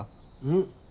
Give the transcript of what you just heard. ん？